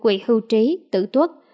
quỹ hưu trí tử tuất